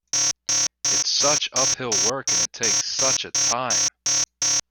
It's such uphill work, and it takes such a time!